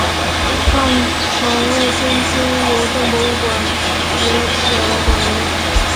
范曾为天津邮政博物馆题写了馆名。